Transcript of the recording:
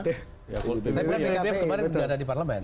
tapi pppb kemarin tidak ada di parlement